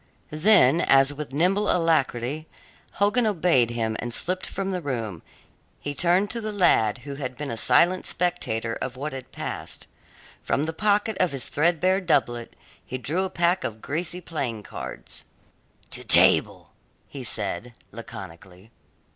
Then, as with nimble alacrity Hogan obeyed him and slipped from the room, he turned to the lad, who had been a silent spectator of what had passed. From the pocket of his threadbare doublet he drew a pack of greasy playing cards. "To table," he said laconically.